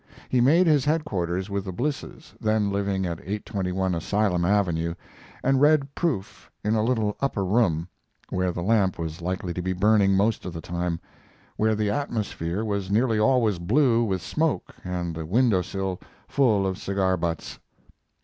He made his headquarters with the Blisses, then living at 821 Asylum Avenue, and read proof in a little upper room, where the lamp was likely to be burning most of the time, where the atmosphere was nearly always blue with smoke, and the window sill full of cigar butts.